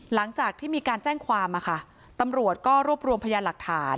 หลังจากที่มีการแจ้งความตำรวจก็รวบรวมพยานหลักฐาน